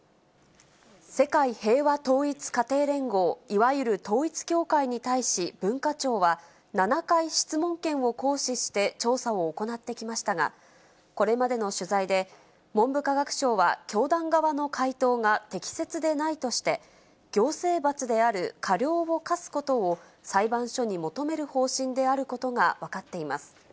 世界平和統一家庭連合、いわゆる統一教会に対し、文化庁は７回質問権を行使して、調査を行ってきましたが、これまでの取材で、文部科学省は教団側の回答が適切でないとして、行政罰である過料を科すことを裁判所に求める方針であることが分かっています。